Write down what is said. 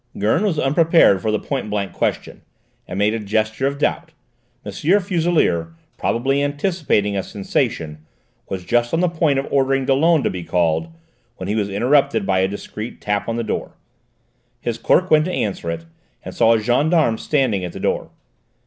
Gurn was unprepared for the point blank question, and made a gesture of doubt. M. Fuselier, probably anticipating a sensation, was just on the point of ordering Dollon to be called, when he was interrupted by a discreet tap on the door. His clerk went to answer it, and saw a gendarme standing at the door.